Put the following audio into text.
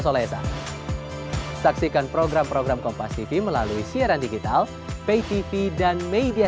oke makasih semuanya terima kasih dulu